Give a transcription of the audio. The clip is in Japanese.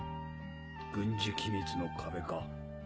軍事機密の壁か。